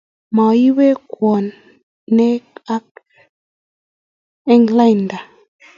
Mwoiwo ne age eng lainda